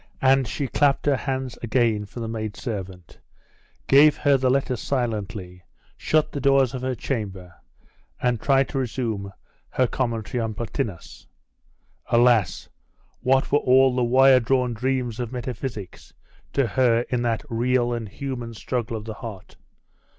And she clapped her hands again for the maid servant, gave her the letter silently, shut the doors of her chamber, and tried to resume her Commentary on Plotinus. Alas! what were all the wire drawn dreams of metaphysics to her in that real and human struggle of the heart?